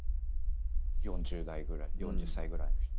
４０代ぐらい４０歳ぐらいの人？